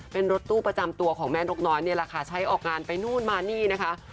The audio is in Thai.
เป็นรถตู้ประจำตัวของแม่นกน้อยนี่แหละค่ะใช้ออกงานไปนู่นมานี่นะคะ